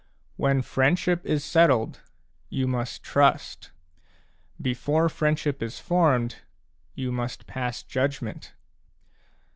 When friendship is settled, you must trust; before friendship is formed, you must pass judgment.